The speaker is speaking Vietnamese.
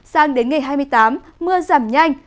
sang đến ngày hai mươi tám mưa giảm nhanh